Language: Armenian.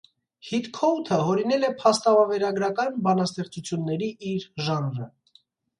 Հիտքոութը հորինել է «փաստավավերագրական բանաստեղծությունների» իր ժանրը։